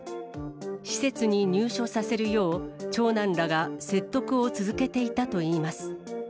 施設に入所させるよう、長男らが説得を続けていたといいます。